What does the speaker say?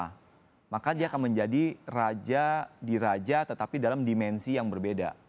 nah maka dia akan menjadi raja di raja tetapi dalam dimensi yang berbeda